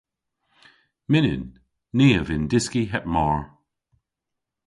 Mynnyn. Ni a vynn dyski heb mar.